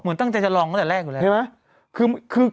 เหมือนตั้งใจจะลองตั้งแต่แรกอยู่แล้ว